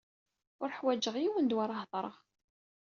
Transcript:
Uḥwaǧeɣ yiwen d wi ara heḍṛeɣ.